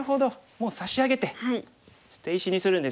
もう差し上げて捨て石にするんですね。